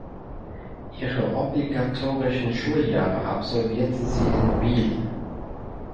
Ihre obligatorischen Schuljahre absolvierte sie in Biel.